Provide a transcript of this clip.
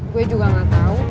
gue juga gak tau